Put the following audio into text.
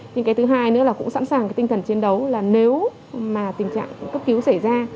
nhưng cái thứ hai nữa là cũng sẵn sàng cái tinh thần chiến đấu là nếu mà tình trạng cấp cứu xảy ra